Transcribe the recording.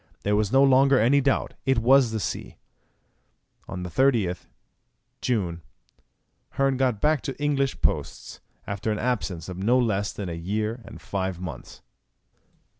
There was no longer any doubt; it was the sea! On the 30th June Hearn got back to the English posts, after an absence of no less than a year and five months.